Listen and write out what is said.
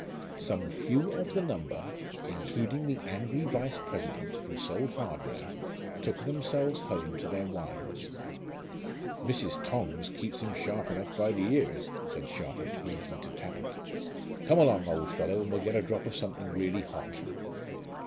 Some few of the number, including the angry vice president, who sold hardware, took themselves home to their wives. "Mrs. Tongs keeps him sharp enough by the ears," said Sharpit, winking to Tappitt. "Come along, old fellow, and we'll get a drop of something really hot."